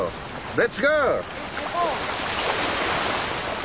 レッツゴー！